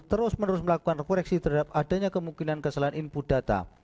terus menerus melakukan rekoreksi terhadap adanya kemungkinan kesalahan input data